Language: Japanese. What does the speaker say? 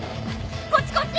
こっちこっち。